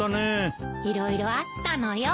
色々あったのよ。